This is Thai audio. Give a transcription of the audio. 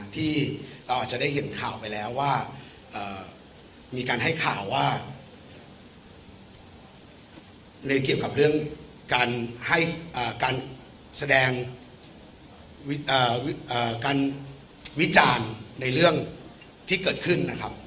ที่เราอาจจะได้เห็นข่าวไปแล้วว่ามีการให้ข่าวว่าในเกี่ยวกับเรื่องการให้การแสดงการวิจารณ์ในเรื่องที่เกิดขึ้นนะครับ